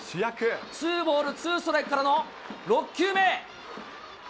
ツーボールツーストライクからの６球目。